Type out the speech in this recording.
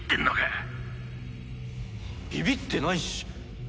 ビビってないし！